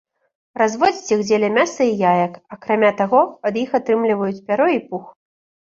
Разводзяць іх дзеля мяса і яек, акрамя таго ад іх атрымліваюць пяро і пух.